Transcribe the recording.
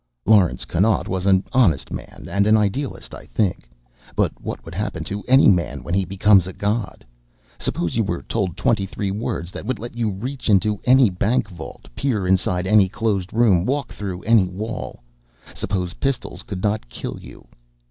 Laurence Connaught was an honest man and an idealist, I think. But what would happen to any man when he became God? Suppose you were told twenty three words that would let you reach into any bank vault, peer inside any closed room, walk through any wall? Suppose pistols could not kill you?